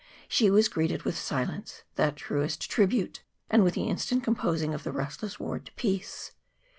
She was greeted with silence, that truest tribute, and with the instant composing of the restless ward to peace.